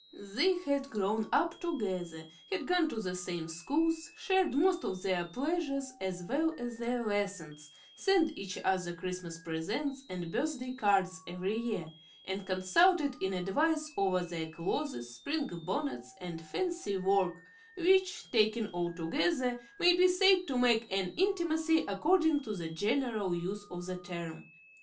They had grown up together, had gone to the same schools, shared most of their pleasures as well as their lessons, sent each other Christmas presents and birthday cards every year, and consulted in advance over their clothes, spring bonnets, and fancy work, which, taken all together, may be said to make an intimacy according to the general use of the term.